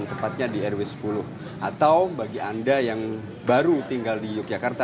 tepatnya di rw sepuluh atau bagi anda yang baru tinggal di yogyakarta